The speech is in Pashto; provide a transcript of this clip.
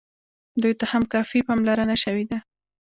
دوی ته هم کافي پاملرنه شوې ده.